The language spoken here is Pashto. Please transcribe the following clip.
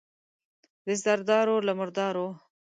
د زردارو، له مردارو.